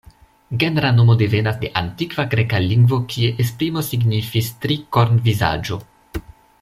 Genra nomo devenas de antikva greka lingvo kie esprimo signifis „tri-korn-vizaĝo”.